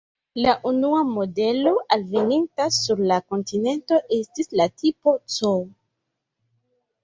La unua modelo alveninta sur la kontinento estis la "Tipo C".